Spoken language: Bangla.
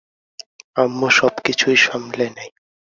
আম্মু সবকিছুই সামলে নেয়।